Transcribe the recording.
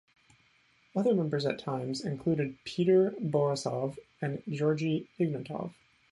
Other member at times included Petar Borisov and Georgi Ignatov.